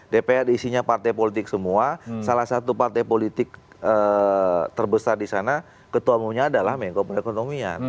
dpr isinya partai politik semua salah satu partai politik terbesar di sana ketua umumnya adalah mengko perekonomian